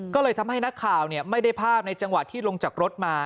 ก็เลยทำให้นักข่าวไม่ได้ภาพในจังหวะที่ลงจากรถมา